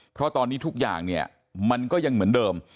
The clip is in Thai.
เพราะตอนนี้ทุกอย่างเนี่ยมันก็ยังเหมือนเดิม